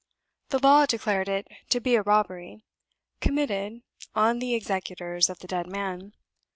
The law declared it to be a robbery committed on the executors of the dead man.